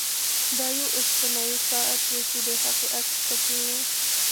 دا یو اوسپنیز ساعت و چې د هغې عکس پکې و